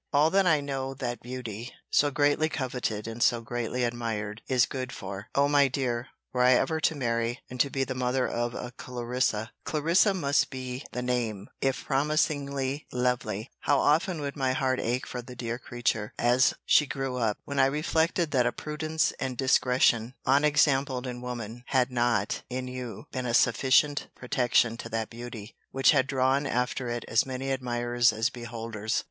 —All that I know that beauty (so greatly coveted, and so greatly admired) is good for. O my dear, were I ever to marry, and to be the mother of a CLARISSA, [Clarissa must be the name, if promisingly lovely,] how often would my heart ache for the dear creature, as she grew up, when I reflected that a prudence and discretion, unexampled in woman, had not, in you, been a sufficient protection to that beauty, which had drawn after it as many admirers as beholders!